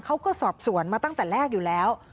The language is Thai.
เขาก็สอบสวนมาตั้งแต่แรกอยู่แล้ว